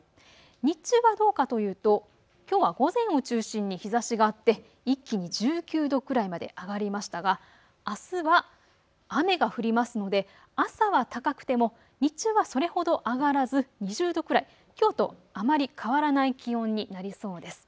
日中はどうかというときょうは午前を中心に日ざしがあって一気に１９度くらいまで上がりましたが、あすは雨が降りますので朝は高くても日中はそれほど上がらず２０度くらい、きょうとあまり変わらない気温になりそうです。